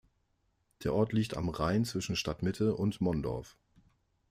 Der Ort liegt am Rhein zwischen Stadtmitte und Mondorf.